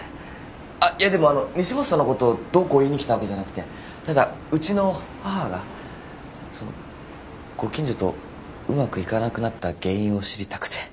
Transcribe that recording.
あっいやでもあの西本さんのことをどうこう言いに来たわけじゃなくてただうちの母がそのご近所とうまくいかなくなった原因を知りたくて。